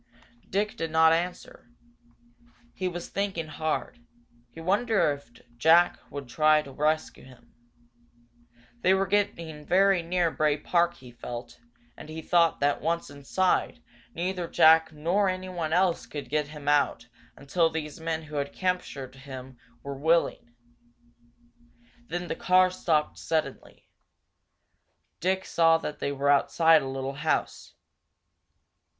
Dick did not answer. He was thinking hard. He wondered if Jack would try to rescue him. They were getting very near Bray Park, he felt, and he thought that, once inside, neither Jack nor anyone else could get him out until these men who had captured him were willing. Then the car stopped suddenly. Dick saw that they were outside a little house.